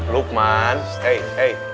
lukman eh eh